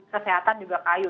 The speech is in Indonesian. kesehatan juga kayu